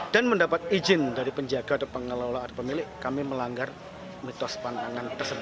dan mendapat izin dari penjaga atau pengelola atau pemilik kami melanggar mitos pantangan tersebut